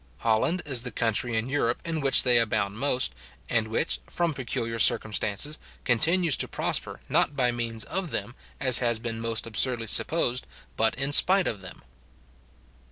Holland is the country in Europe in which they abound most, and which, from peculiar circumstances, continues to prosper, not by means of them, as has been most absurdly supposed, but in spite of them.